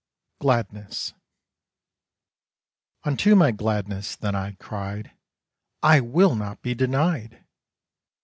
_ GLADNESS Unto my Gladness then I cried: 'I will not be denied!